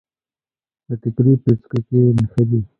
د ټیکري پیڅکو کې نښلي